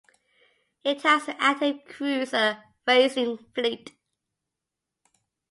It has an active cruiser racing fleet.